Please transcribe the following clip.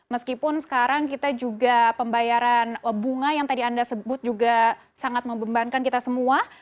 meskipun sekarang kita juga pembayaran bunga yang tadi anda sebut juga sangat membebankan kita semua